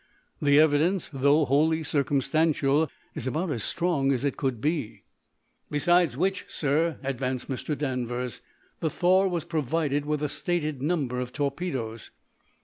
The evidence, though wholly circumstantial, is about as strong as it could be." "Besides which, sir," advanced Mr. Danvers, "The 'Thor' was provided with a stated number of torpedoes."